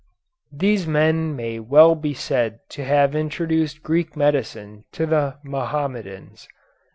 These men may well be said to have introduced Greek medicine to the Mohammedans.